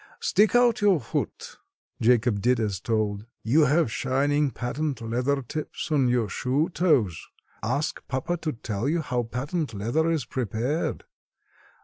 Stick out your foot." Jacob did as told. "You have shining patent leather tips on your shoe toes. Ask papa to tell you how patent leather is prepared.